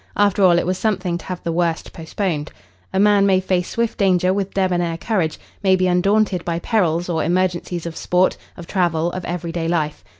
After all, it was something to have the worst postponed. A man may face swift danger with debonair courage, may be undaunted by perils or emergencies of sport, of travel, of everyday life.